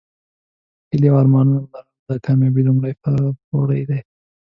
هیلې او ارمانونه لرل د کامیابۍ لومړۍ پوړۍ ده.